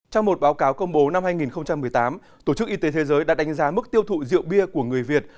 trong một báo cáo công bố năm hai nghìn một mươi tám tổ chức y tế thế giới đã đánh giá mức tiêu thụ rượu bia của người việt